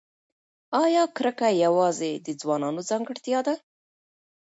ایا کرکه یوازې د ځوانانو ځانګړتیا ده؟